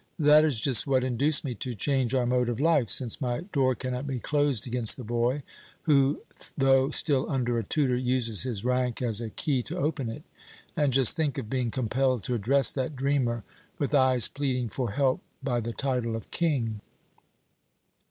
"That is just what induced me to change our mode of life, since my door cannot be closed against the boy who, though still under a tutor, uses his rank as a key to open it. And just think of being compelled to address that dreamer, with eyes pleading for help, by the title of 'king'!"